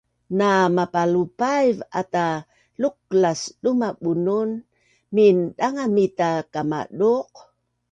Namapalupaiv ata luklas duma bunun mindangaz mita kamaduq